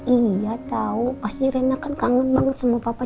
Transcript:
iya tahu pasti rena kan kangen banget sama papa